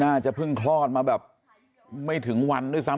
น่าจะเพิ่งคลอดมาแบบไม่ถึงวันทั้ง